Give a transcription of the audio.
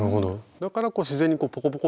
だからこう自然にポコポコ